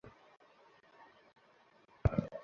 ওর অধীনস্থ কেউ?